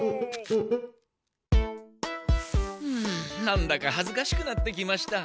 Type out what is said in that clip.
なんだかはずかしくなってきました。